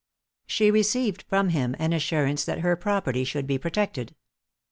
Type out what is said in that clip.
She received from him an assurance that her property should be protected.